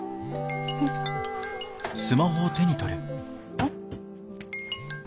あっ。